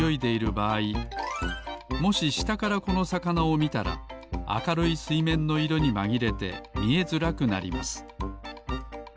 もししたからこのさかなをみたらあかるいすいめんの色にまぎれてみえづらくなります。